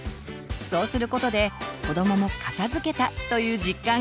そうすることで子どもも「片づけた」という実感がわき達成感も得られます。